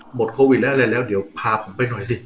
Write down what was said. หมดโควิดแล้วอะไรแล้วเดี๋ยวพาผมไปหน่อยสิ